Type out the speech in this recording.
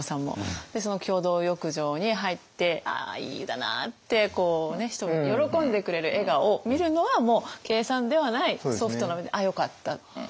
その共同浴場に入って「ああいい湯だな」ってこう人が喜んでくれる笑顔を見るのはもう計算ではないソフトな面であよかったって。